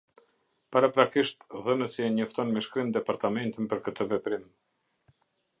Paraprakisht, dhënësi e njofton me shkrim Departamentin për këtë veprim.